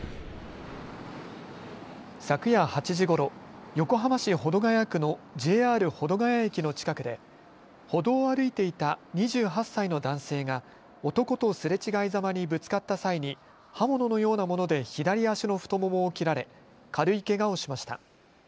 昨夜８時ごろ横浜市保土ヶ谷区のＪＲ保土ヶ谷駅の近くで歩道を歩いていた２８歳の男性が男とすれ違いざまにぶつかった際に刃物のようなもので左足の太ももを切られ軽いけがをしました。